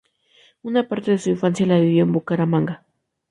Una parte de su infancia la vivió en Bucaramanga.